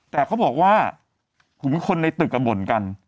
แต่เขาบอกว่าคนในตึกบ่นกัน